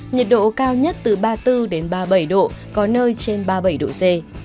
nhiệt độ cao nhất từ ba mươi bốn đến ba mươi bảy độ có nơi trên ba mươi bảy độ c